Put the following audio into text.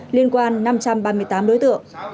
liên quan năm trăm ba mươi tám đối tượng